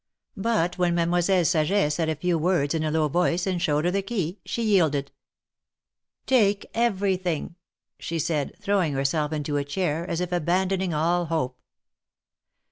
But when Mademoiselle Saget said a few words in a low voice, and showed her the key, she yielded. ''Take everything," she said, throwing herself into a chair, as if abandoning all hope.